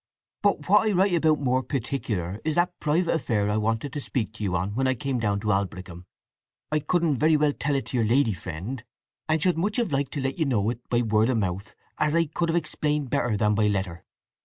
But what I write about more particular is that private affair I wanted to speak to you on when I came down to Aldbrickham. I couldn't very well tell it to your lady friend, and should much have liked to let you know it by word of mouth, as I could have explained better than by letter.